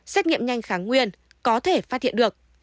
xét nghiệm nhanh kháng nguyên có thể phát hiện được